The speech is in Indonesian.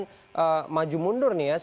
maju mundur nih ya saya langsung ke pak trubus